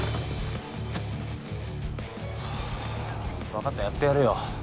分かったやってやるよ。